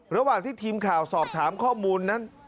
ระหว่างที่ทีมข่าวสอบถามข้อมูลนั้น